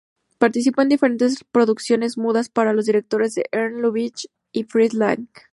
Participó en diferentes producciones mudas para los directores Ernst Lubitsch y Fritz Lang.